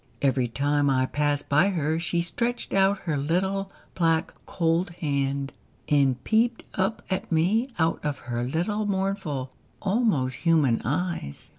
Every time I passed by her she stretched out her little, black, cold hand, and peeped up at me out of her little mournful, almost human eyes.